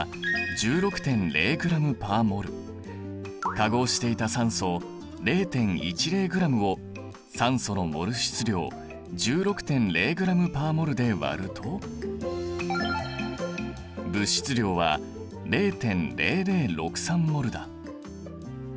化合していた酸素０．１０ｇを酸素のモル質量１６．０ｇ／ｍｏｌで割ると物質量は０．００６３ｍｏｌだ。